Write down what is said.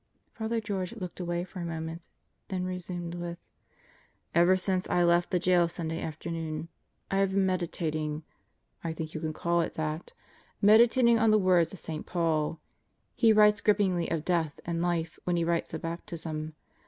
Father George looked away for a moment, then resumed with: "Ever since I left the jail Sunday afternoon, I have been medi tating I think you can call it that meditating on the words of St. Paul. He writes grippingly of death and life when he writes of baptism.